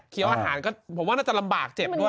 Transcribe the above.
อาหารก็ผมว่าน่าจะลำบากเจ็บด้วย